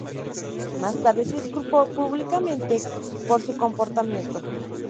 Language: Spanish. Más tarde se disculpó públicamente por su comportamiento.